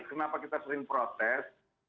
kenapa kita sering proses